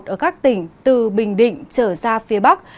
ở các tỉnh từ bình định trở ra phía bắc